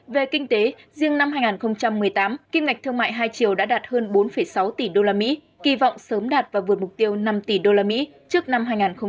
về kinh tế riêng năm hai nghìn một mươi tám kim ngạch thương mại hai triệu đã đạt hơn bốn sáu tỷ usd kỳ vọng sớm đạt và vượt mục tiêu năm tỷ usd trước năm hai nghìn hai mươi